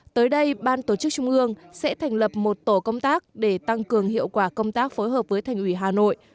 tới đây ban tổ chức trung ương sẽ thành lập một tổ công tác để tăng cường hiệu quả công tác phối hợp với thành ủy hà nội